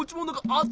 あっ！